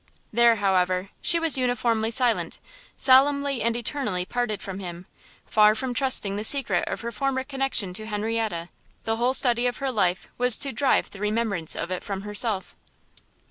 There, however, she was uniformly silent; solemnly and eternally parted from him, far from trusting the secret of her former connexion to Henrietta, the whole study of her life was to drive the remembrance of it from herself.